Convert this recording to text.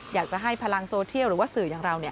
อยากจะให้พลังโซเทียลหรือว่าสื่ออย่างเรา